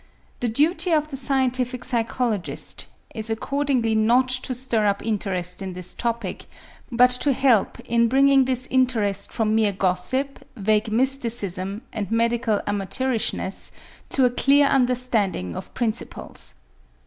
The duty of the scientific psychologist is accordingly not to stir up interest in this topic but to help in bringing this interest from mere gossip, vague mysticism, and medical amateurishness to a clear understanding of principles.